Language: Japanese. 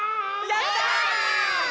やった！